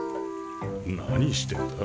何してんだ？